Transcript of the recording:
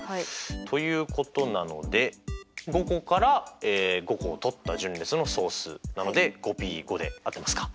ということなので５個から５個をとった順列の総数なので５Ｐ５で合ってますか？